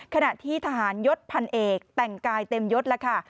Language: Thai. ขณะที่ทหารยศพันเอกแต่งกายเต็มยศแล้วค่ะ